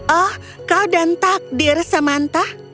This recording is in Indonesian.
oh kau dan takdir samantha